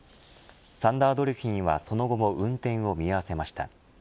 サンダードルフィンはその後も運転を見合わせました。